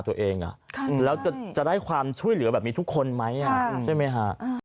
ตัวเองแล้วจะได้ความช่วยเหลือแบบนี้ทุกคนไหมใช่ไหมฮะ